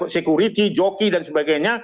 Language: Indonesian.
security joki dan sebagainya